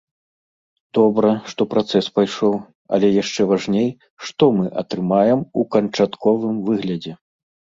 Добра, што працэс пайшоў, але яшчэ важней, што мы атрымаем у канчатковым выглядзе.